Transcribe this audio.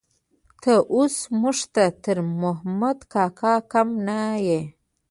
ته اوس موږ ته تر محمد کاکا کم نه يې.